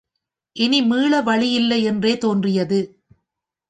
இனி மீள வழியில்லை என்றேத் தோன்றியது.